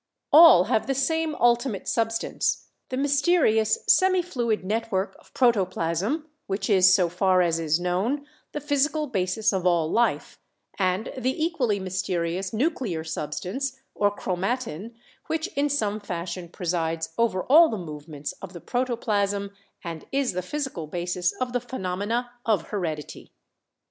All have the same ultimate substance — the mys terious semi fluid network of protoplasm, which is, so far as is known, the physical basis of all life; and the equally mysterious nuclear substance or chromatin which in some fashion presides over all the movements of the protoplasm and is the physical basis of the phenomena of heredity.